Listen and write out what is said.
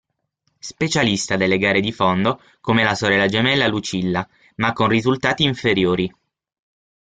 Specialista delle gare di fondo, come la sorella gemella Lucilla, ma con risultati inferiori.